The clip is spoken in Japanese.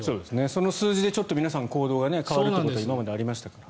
その数字で皆さん行動が変わることが今までありましたから。